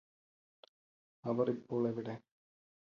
അവർ ഇപ്പോൾ എവിടെ